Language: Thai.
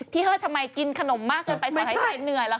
เฮ้ยทำไมกินขนมมากเกินไปจนหายใจเหนื่อยล่ะค